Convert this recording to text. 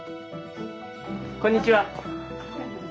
こんにちは！